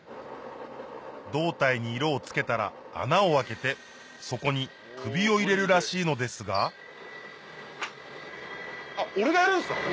胴体に色を付けたら穴を開けてそこに首を入れるらしいのですがあっ俺がやるんすか？